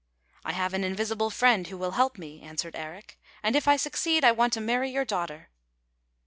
" I have an invisible friend who will help me," answered Eric, " and if I succeed, I want to marry your daughter."